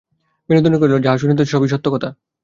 বিনোদিনী কহিল, যাহা শুনিতেছ সবই সত্য কথা।